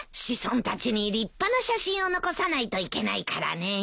子孫たちに立派な写真を残さないといけないからね。